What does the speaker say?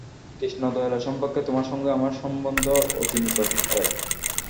কৃষ্ণদয়ালের সম্পর্কে তোমার সঙ্গে আমার সম্বন্ধ অতি নিকটের।